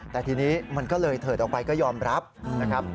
แต่ทีนี้มันก็เลยเถิดออกไปก็ยอมรับนะครับ